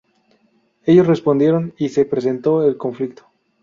Ellos respondieron y se... presentó el conflicto.